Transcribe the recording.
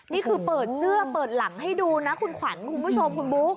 นี่คือเปิดเสื้อเปิดหลังให้ดูนะคุณขวัญคุณผู้ชมคุณบุ๊ค